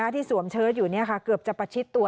ที่สวมเชิดอยู่นี่ค่ะเกือบจะประชิดตัว